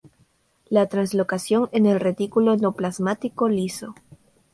La translocación en el retículo endoplasmático liso.